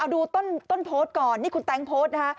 ดูต้นโพสต์ก่อนนี่คุณแต๊งโพสต์นะคะ